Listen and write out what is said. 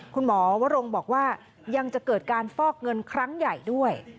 วรงบอกว่ายังจะเกิดการฟอกเงินครั้งใหญ่ด้วย